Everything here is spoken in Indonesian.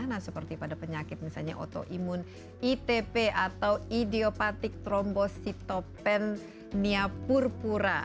nah seperti pada penyakit misalnya otoimun itp atau idiopatik trombositopenia purpura